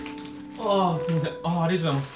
ありがとうございます。